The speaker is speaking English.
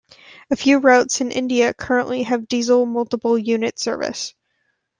A few routes in India currently have Diesel multiple unit service.